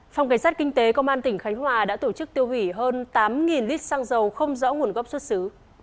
phòng cảnh sát kinh tế công an tỉnh khánh hòa đã tổ chức tiêu hủy hơn tám lít xăng dầu không rõ nguồn gốc xuất xứ